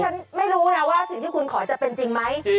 ฉันไม่รู้ไงว่าสิ่งที่คุณขอจะเป็นจริงไหม